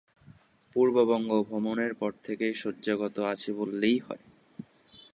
পূর্ববঙ্গ-ভ্রমণের পর থেকে শয্যাগত আছি বললেই হয়।